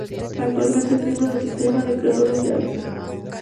Actualmente es Miembro del Sistema de Creadores de Arte.